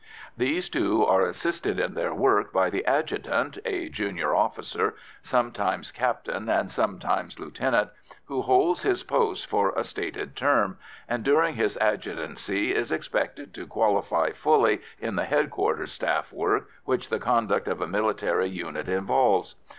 These two are assisted in their work by the adjutant, a junior officer, sometimes captain and sometimes lieutenant, who holds his post for a stated term, and during his adjutancy is expected to qualify fully in the headquarters staff work which the conduct of a military unit involves.